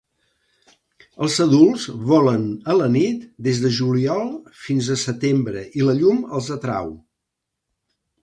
Els adults volen a la nit des de juliol fins a setembre i la llum els atrau.